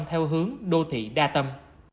theo hướng đô thị đa tâm